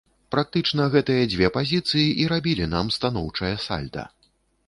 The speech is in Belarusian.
Практычна гэтыя дзве пазіцыі і рабілі нам станоўчае сальда.